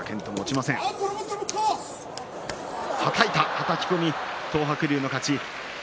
はたき込み東白龍の勝ち。